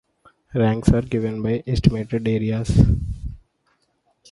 Ranks are given by estimated areas.